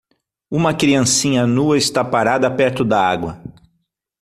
Uma criancinha nua está parada perto da água.